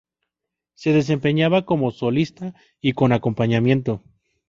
Se desempeñaba como solista y con acompañamiento.